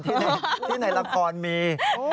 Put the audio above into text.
ที่ในละครมี